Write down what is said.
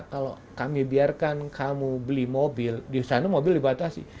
kalau kami biarkan kamu beli mobil di sana mobil dibatasi